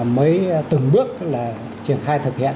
mới từng bước triển khai thực hiện